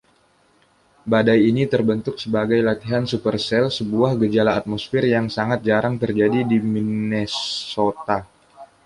Badai ini terbentuk sebagai latihan supercell-sebuah gejala atmosfer yang sangat jarang terjadi di Minnesota.